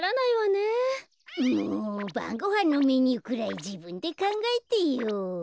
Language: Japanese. もうばんごはんのメニューくらいじぶんでかんがえてよ。